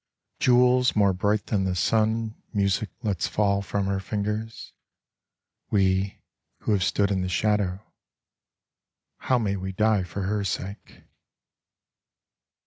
Jewels more bright than the sun Music lets fall from her fingers. We who have stood in the shadow How may we die for her sake?